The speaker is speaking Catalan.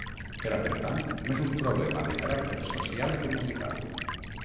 Era, per tant, més un problema de caràcter social que musical.